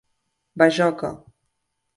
Bajoca.